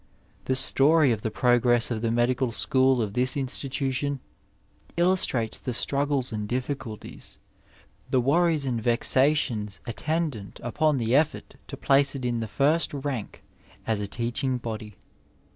The story of the progress of the medical school of this institution illustrates the struggles and difficulties, the worries and vexations attendant upon the effort to place it in the first rank as a teaching body.